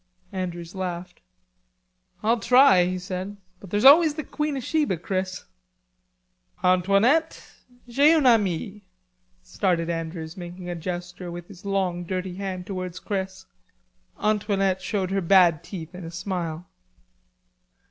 Andrews laughed. "I'll try," he said. "But there's always the Queen of Sheba, Chris." "Antoinette, j'ai un ami," started Andrews, making a gesture with a long dirty hand towards Chris. Antoinette showed her bad teeth in a smile.